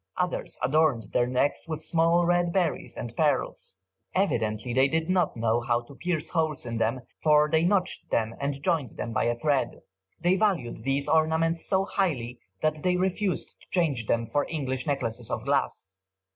Others adorned their necks with small red berries and pearls. Evidently they did not know how to pierce holes in them, for they notched them and joined them by a thread. They valued these ornaments so highly, that they refused to change them for English necklaces of glass.